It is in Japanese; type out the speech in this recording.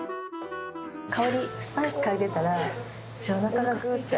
香りスパイスかいでたらおなかがグッて。